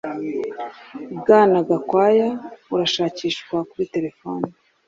Bwana gakwaya urashakishwa kuri terefone.